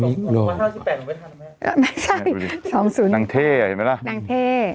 นี่หล่อไม่ใช่สองศูนย์นางเท่อ่ะเห็นไหมล่ะนางเท่